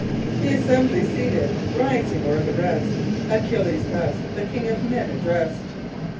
"The assembly seated, rising o'er the rest, Achilles thus the king of men addressed."